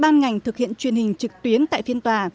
ban ngành thực hiện truyền hình trực tuyến tại phiên tòa